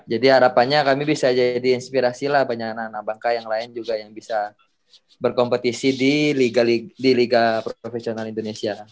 jadi harapannya kami bisa jadi inspirasi lah banyak anak anak bangka yang lain juga yang bisa berkompetisi di liga profesional indonesia ya